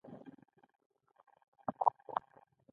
احمد په تجارت کې زموږ جرړې را و ایستلې.